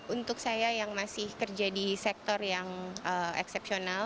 untuk saya yang masih kerja di sektor yang eksepsional